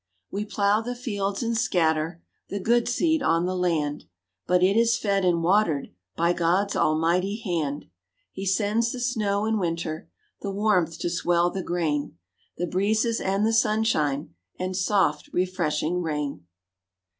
We plow the fields, and scatter The good seed on the land, But it is fed and watered By God's almighty hand. He sends the snow in winter, The warmth to swell the grain, The breezes and the sunshine, And soft refreshing rain.